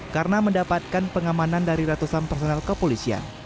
karena mendapatkan pengamanan dari ratusan personel kepolisian